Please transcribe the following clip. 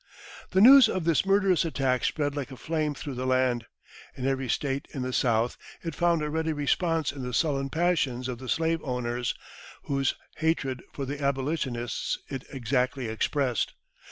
The news of this murderous attack spread like a flame through the land. In every State in the South it found a ready response in the sullen passions of the slave owners, whose hatred for the Abolitionists it exactly expressed.